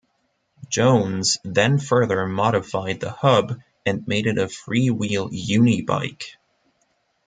Jones then further modified the hub and made it a freewheel unibike.